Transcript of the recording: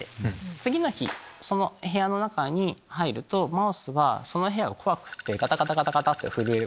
次の日その部屋の中に入るとマウスはその部屋を怖くてガタガタと震える。